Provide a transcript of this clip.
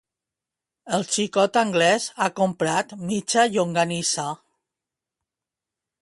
El xicot anglès ha comprat mitja llonganissa